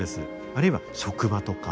あるいは職場とか。